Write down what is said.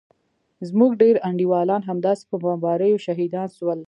زموږ ډېر انډيوالان همداسې په بمباريو شهيدان سول.